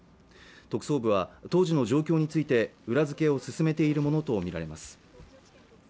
特捜部は当時の状況について裏づけを進めているものと見られます